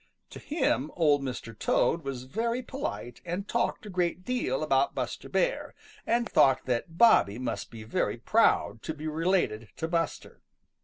To him Old Mr. Toad was very polite and talked a great deal about Buster Bear, and thought that Bobby must be very proud to be related to Buster.